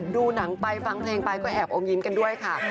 ดูหนังไปฟังเพลงไปก็แอบอมยิ้มกันด้วยค่ะ